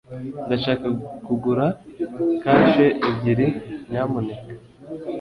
ndashaka kugura kashe ebyiri, nyamuneka